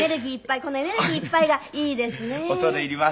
このエネルギーいっぱいがいいですね。